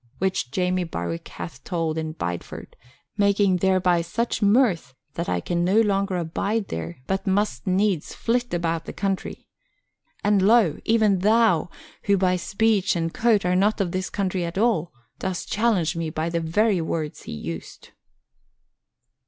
which Jamie Barwick hath told in Bideford, making thereby such mirth that I can no longer abide there but must needs flit about the country. And lo! even thou, who by speech and coat are not of this country at all, dost challenge me by the very words he used."